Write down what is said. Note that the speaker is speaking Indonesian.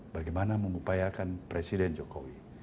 bagaimana mengupayakan presiden jokowi